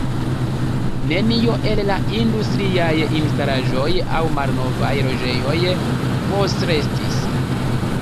Nenio el la industriaj instalaĵoj aŭ malnovaj loĝejoj postrestis.